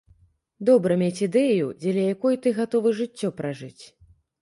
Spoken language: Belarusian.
Добра мець ідэю, дзеля якой ты, гатовы жыццё пражыць.